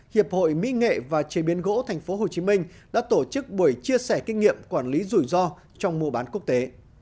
hiệp hội mỹ nghệ và chế biến gỗ tp hcm đã tổ chức buổi chia sẻ kinh nghiệm quản lý rủi ro trong mùa bán quốc tế